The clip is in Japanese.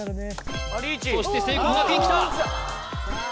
そして聖光学院きたさあ